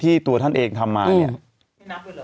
ตัวท่านเองทำมาเนี่ย